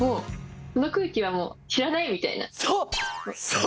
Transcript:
そう！